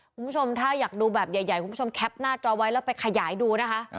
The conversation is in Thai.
คุณผู้ชมถ้าอยากดูแบบใหญ่คุณผู้ชมแคปหน้าจอไว้แล้วไปขยายดูนะคะ